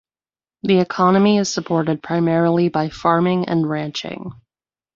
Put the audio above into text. The economy is supported primarily by farming and ranching.